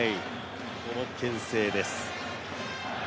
このけん制です。